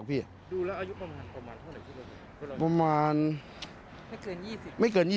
ดูแล้วอายุประมาณไม่เกิน๒๐พี่